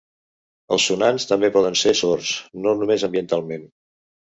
Els sonants també poden ser sords, no només ambientalment.